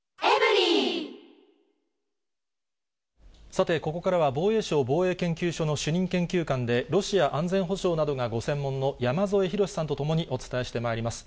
さて、ここからは防衛省防衛研究所の主任研究官で、ロシア安全保障などがご専門の山添博史さんと共にお伝えしてまいります。